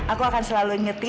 aku akan selalu ingetin